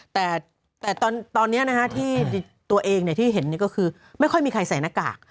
แต่ตอนนี้ที่ตัวเองที่เห็นก็คือไม่ค่อยมีใครใส่หน้ากาก